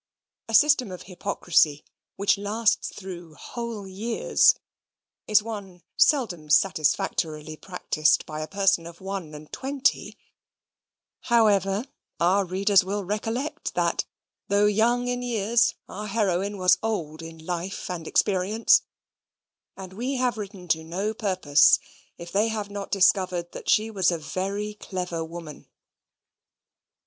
A system of hypocrisy, which lasts through whole years, is one seldom satisfactorily practised by a person of one and twenty; however, our readers will recollect, that, though young in years, our heroine was old in life and experience, and we have written to no purpose if they have not discovered that she was a very clever woman.